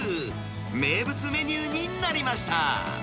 名物メニューになりました。